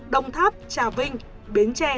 đồng tháp trà vinh bến tre